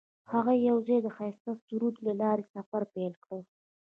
هغوی یوځای د ښایسته سرود له لارې سفر پیل کړ.